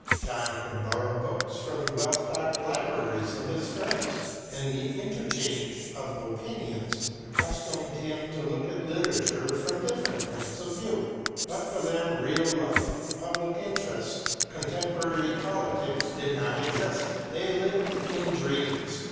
John could borrow books from the well stocked libraries of his friends, and the interchange of opinions accustomed him to look at literature from different points of view. But for them real life, public interests, contemporary politics did not exist; they lived in dreams.